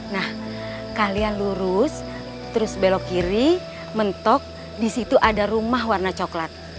nah kalian lurus terus belok kiri mentok di situ ada rumah warna coklat